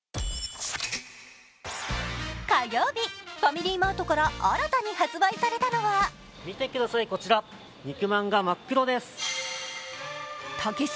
火曜日、ファミリーマートから新たに発売されたのは見てください、こちら肉まんが真っ黒です。